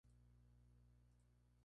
Sus hermanas se llaman Olga y Georgina.